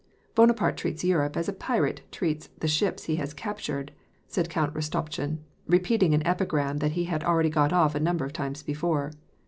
" Bonaparte treats Europe as a pirate treats the ships he has captured," said Count Rostopchin, repeating an epigram that he had already got off a number of times before.